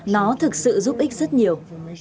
nó thực sự giúp ích rất nhiều